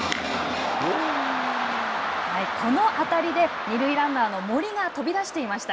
この当たりで二塁ランナーの森が飛び出していました。